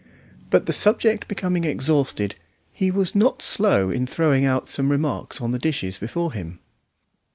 But the subject becoming exhausted, he was not slow in throwing out some remarks on the dishes before him.